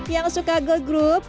yang suka girl group